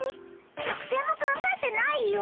作せんも考えてないよ。